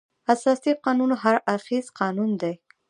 اساسي قانون هر اړخیز قانون دی.